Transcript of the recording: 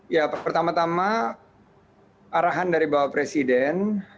ya pertama tama arahan dari bapak presiden